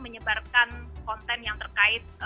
menyebarkan konten yang terkait